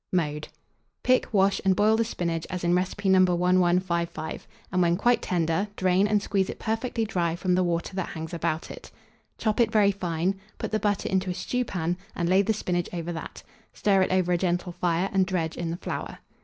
Mode. Pick, wash, and boil the spinach, as in recipe No. 1155, and when quite tender, drain and squeeze it perfectly dry from the water that hangs about it. Chop it very fine, put the butter into a stewpan, and lay the spinach over that; stir it over a gentle fire, and dredge in the flour.